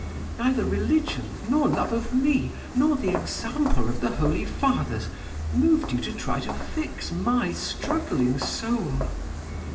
Neither religion, nor love of me, nor the example of the holy fathers, moved you to try to fix my struggling soul.